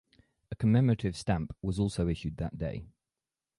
A commemorative stamp was also issued that day.